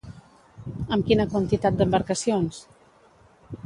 Amb quina quantitat d'embarcacions?